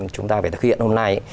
chúng ta phải thực hiện hôm nay